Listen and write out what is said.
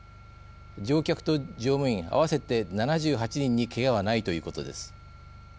乗客と乗務員合わせて７８人にけがはないということです。